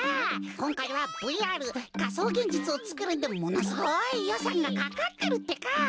こんかいはＶＲかそうげんじつをつくるんでものすごいよさんがかかってるってか。